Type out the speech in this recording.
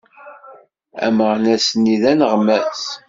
Ameɣnas-nni d aneɣmas.